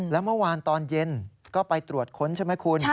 แล้วเมื่อวานตอนเย็นก็ไปตรวจค้นใช่ไหมคุณ